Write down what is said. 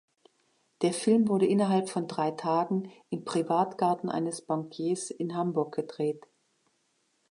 Der Film wurde innerhalb von drei Tagen im Privatgarten eines Bankiers in Hamburg gedreht.